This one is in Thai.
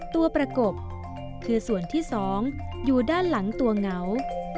ประกบคือส่วนที่๒อยู่ด้านหลังตัวเหงา